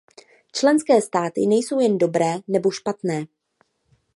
Členské státy nejsou jen dobré, nebo špatné.